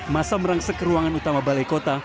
masa merangsek ke ruangan utama balai kota